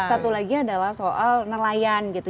satu lagi adalah soal nelayan gitu